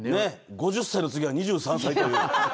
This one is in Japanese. ５０歳の次は２３歳という。